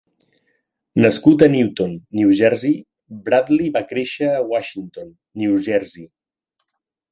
Nascut a Newton, New Jersey, Bradley va créixer a Washington, New Jersey.